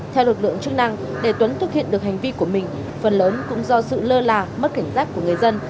theo lực lượng chức năng để tuấn thực hiện được hành vi của mình phần lớn cũng do sự lơ là mất cảnh giác của người dân